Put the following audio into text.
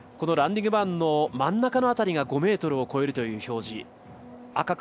ランディングバーンの真ん中の辺りが５メートルを超えるという表示。